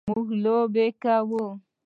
موږ لوبې کوو.